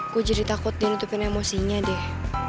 gue jadi takut dia nutupin emosinya deh